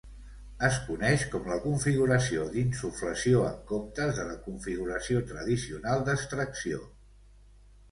Es coneix com la configuració d"insuflació en comptes de la configuració tradicional d"extracció.